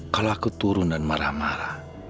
kalau aku turun dan marah marah